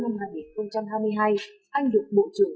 năm hai nghìn hai mươi hai anh được bộ trưởng